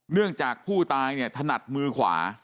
เนื่องจากผู้ตายเนี่ยถนัดมือขวา